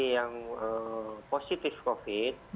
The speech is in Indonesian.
yang positif covid sembilan belas